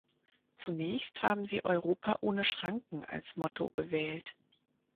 Zunächst haben Sie "Europa ohne Schranken" als Motto gewählt.